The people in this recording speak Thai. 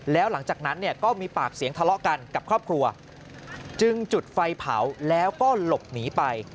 แล้วหลังจากนั้นเนี่ยก็มีปากเสียงทะเลาะกันกับครอบครัวจึงจุดไฟเผาแล้วก็หลบหนีไป